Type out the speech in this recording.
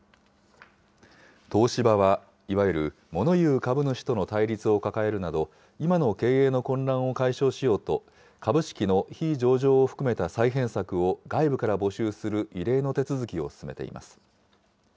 東芝は、いわゆるモノ言う株主との対立を抱えるなど、今の経営の混乱を解消しようと、株式の非上場を含めた再編策を外部から募集する異例の手続きを進めています。